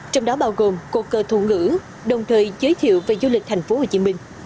trong đó bao gồm cột cờ thủ ngữ đồng thời giới thiệu về du lịch tp hcm